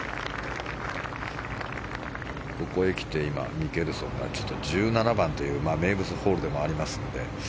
ここへきて、ミケルソンが１７番という名物ホールでもありますので。